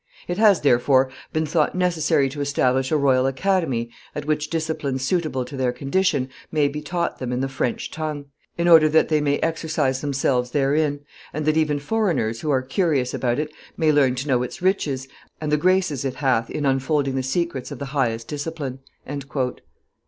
... It has, therefore, been thought necessary to establish a royal academy at which discipline suitable to their condition may be taught them in the French tongue, in order that they may exercise themselves therein, and that even foreigners, who are curious about it, may learn to know its riches and the graces it hath in unfolding the secrets of the highest discipline."